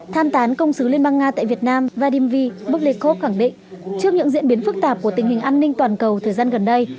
tham tán công sứ liên bang nga tại việt nam vadim vy bức lê cốp khẳng định trước những diễn biến phức tạp của tình hình an ninh toàn cầu thời gian gần đây